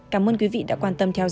cảm ơn quý vị đã quan tâm theo dõi